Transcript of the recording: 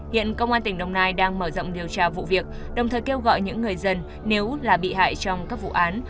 hiện công an tỉnh đồng nai đang mở rộng điều tra vụ việc đồng thời kêu gọi những người dân nếu là bị hại trong các vụ án